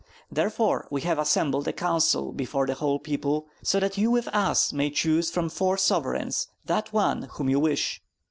Therefore we have assembled a council before the whole people, so that you with us may choose from four sovereigns that one whom you wish.